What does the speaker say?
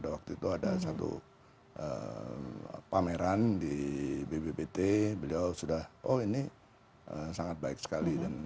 waktu itu ada satu pameran di bbbt beliau sudah oh ini sangat baik sekali dan ini akan didukung